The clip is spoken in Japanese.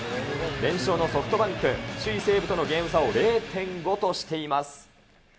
連勝のソフトバンク、首位西武とのゲーム差を０．５としています。